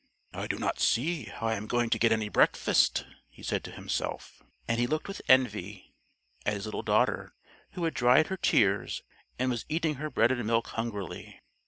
"I do not see how I am going to get any breakfast," he said to himself, and he looked with envy at his little daughter, who had dried her tears and was eating her bread and milk hungrily.